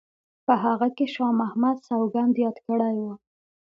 په هغه کې شاه محمد سوګند یاد کړی وو.